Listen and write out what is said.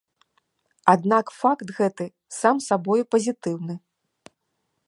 Аднак факт гэты сам сабою пазітыўны.